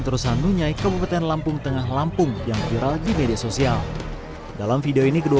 terus hanunyai kabupaten lampung tengah lampung yang viral di media sosial dalam video ini kedua